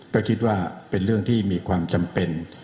ก็คิดว่าเป็นเรื่องที่มีความจำเป็น